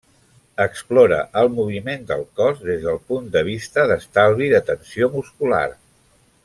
Explora el moviment del cos des del punt de vista d'estalvi de tensió muscular.